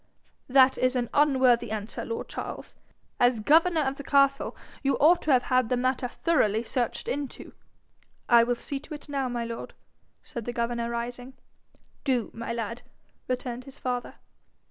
'That is an unworthy answer, lord Charles. As governor of the castle, you ought to have had the matter thoroughly searched into.' 'I will see to it now, my lord,' said the governor, rising. 'Do, my lad,' returned his father.